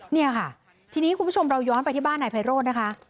เนี่ยค่ะทีนี้คุณผู้ชมเราย้อนไปที่บ้านนายไพโรธนะคะ